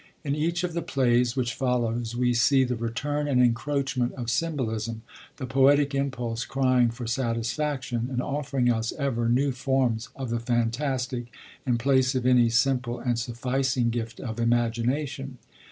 In each of the plays which follows we see the return and encroachment of symbolism, the poetic impulse crying for satisfaction and offering us ever new forms of the fantastic in place of any simple and sufficing gift of imagination.